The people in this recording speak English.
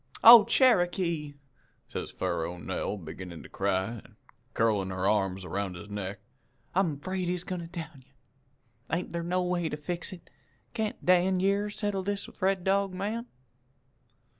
"'Oh, Cherokee!' says Faro Nell, beginnin' to cry, an' curlin' her arms 'round his neck. 'I'm 'fraid he's goin' to down you. Ain't thar no way to fix it? Can't Dan yere settle with this Red Dog man?'